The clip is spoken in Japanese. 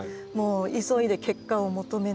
急いで結果を求めない。